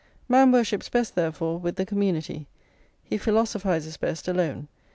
Man worships best, therefore, with the community; he philosophises best alone.